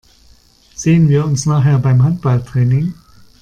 Sehen wir uns nachher beim Handballtraining?